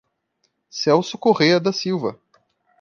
Celso Correa da Silva